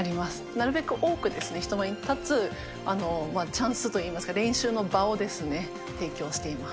なるべく多く人前に立つチャンスといいますか、練習の場を提供しています。